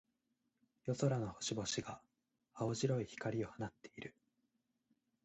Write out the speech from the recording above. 夜空の星々が、青白い光を放っている。